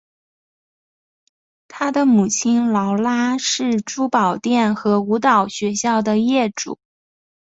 她的母亲劳拉是珠宝店和舞蹈学校的业主。